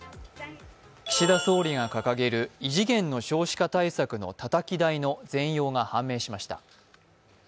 岸田総理が掲げる異次元の少子化対策のたたき台の全容が判明しました。